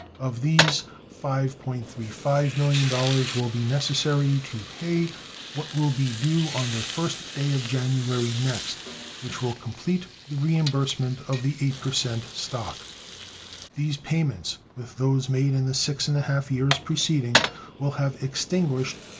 Of these, $5.35 millions will be necessary to pay what will be due on the 1st day of January next, which will complete the reimbursement of the 8% stock. These payments, with those made in the six and a half years preceding, will have extinguished $33.